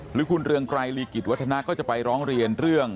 หรือคุณเรืองไกรลีกิจวัฒนาก็จะไปร้องเรียนเรื่อง